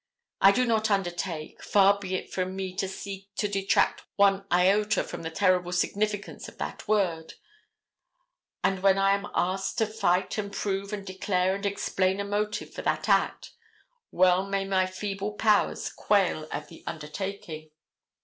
I do not undertake, far be it from me to seek to detract one iota from the terrible significance of that word; and when I am asked to fight and prove and declare and explain a motive for that act, well may my feeble powers quail at the undertaking.